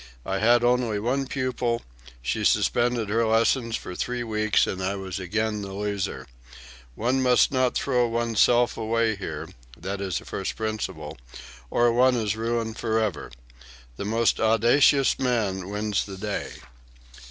I had only one pupil; she suspended her lessons for three weeks, and I was again the loser. One must not throw one's self away here, that is a first principle, or one is ruined forever. The most audacious man wins the day."